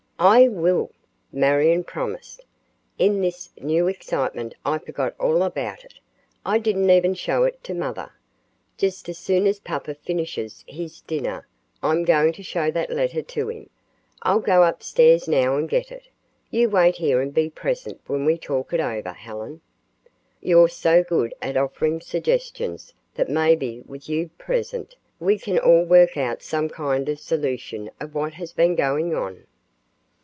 "I will," Marion promised. "In this new excitement I forgot all about it. I didn't even show it to mother. Just as soon as papa finishes his dinner, I'm going to show that letter to him. I'll go upstairs now and get it. You wait here and be present when we talk it over, Helen. You're so good at offering suggestions that maybe with you present we can all work out some kind of solution of what has been going on."